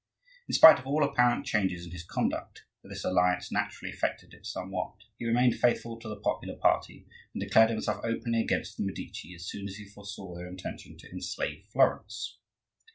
In spite of all apparent changes in his conduct (for this alliance naturally affected it somewhat) he remained faithful to the popular party, and declared himself openly against the Medici as soon as he foresaw their intention to enslave Florence.